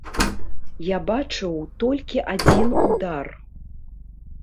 Я бачыў толькі адзін удар.